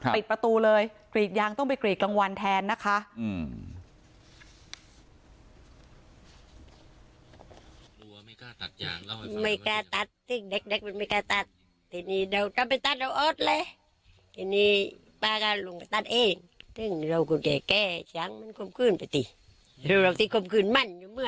ปิดประตูเลยกรีดยางต้องไปกรีดกลางวันแทนนะคะ